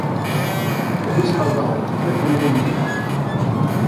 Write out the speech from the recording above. Ты бы сказал: это, мол, не я.